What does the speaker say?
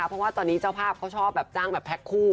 เพราะว่าตอนนี้เจ้าภาพเขาชอบแบบจ้างแบบแพ็คคู่